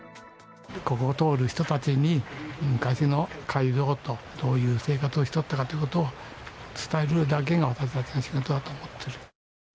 ここを通る人たちに、昔の街道と、どういう生活をしとったかというのを伝えるだけが私たちの仕事だ